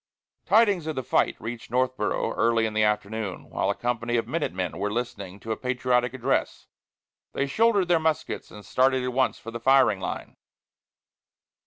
Tidings of the fight reached Northboro' early in the afternoon, while a company of minute men were listening to a patriotic address. They shouldered their muskets and started at once for the firing line.